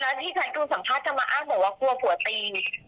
แล้วที่ฉันดูสัมภาษณ์จะมาอ้างบอกว่ากลัวผัวตี